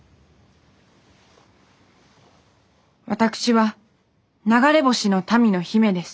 私は流れ星の民の姫です。